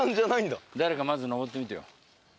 誰かまず上ってみてよ。